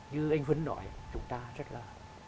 như anh huấn nói chúng ta rất là